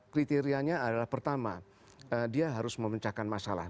kriterianya adalah pertama dia harus memecahkan masalah